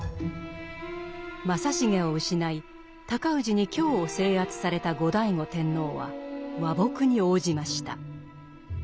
正成を失い尊氏に京を制圧された後醍醐天皇は和睦に応じました。